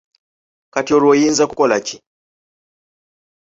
Kati olwo oyinza kukola ki?